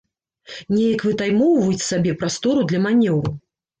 Неяк вытаймоўваюць сабе прастору для манеўру.